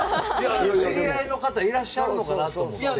お知り合いの方がいらっしゃるのかなと思って。